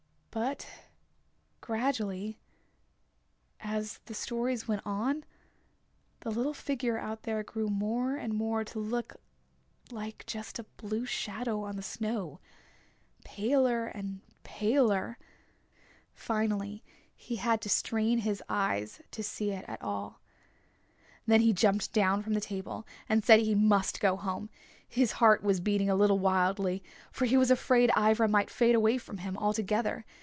But gradually, as the stories went on the little figure out there grew more and more to look like just a blue shadow on the snow, paler and paler. Finally he had to strain his eyes to see it at all. Then he jumped down from the table and said he must go home. His heart was beating a little wildly. For he was afraid Ivra might fade away from him altogether.